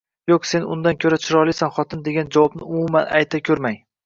"yo‘q, sen undan ko‘ra chiroylisan xotin" degan javobni umuman ayta ko‘rmang.